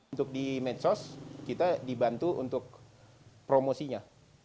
untuk di medsos kita dibantu untuk promosinya